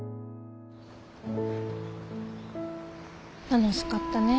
楽しかったね。